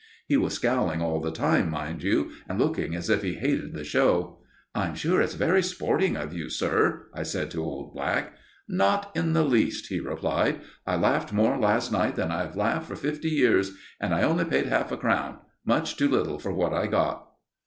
He was scowling all the time, mind you, and looking as if he hated the show. "I'm sure it's very sporting of you, sir," I said to old Black. "Not in the least," he replied. "I laughed more last night than I have laughed for fifty years. And I only paid half a crown much too little for what I got."